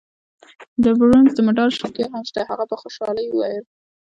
د برونزو د مډال شونتیا هم شته. هغه په خوشحالۍ وویل.